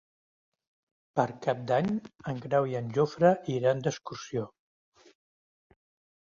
Per Cap d'Any en Grau i en Jofre iran d'excursió.